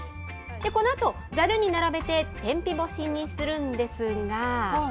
このあと、ざるに並べて天日干しにするんですが。